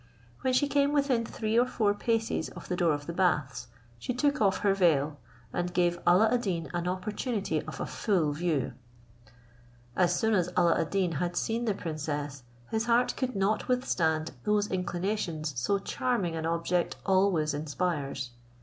When she came within three or four paces of the door of the baths, she took off her veil, and gave Alla ad Deen an opportunity of a full view. As soon as Alla ad Deen had seen the princess, his heart could not withstand those inclinations so charming an object always inspires.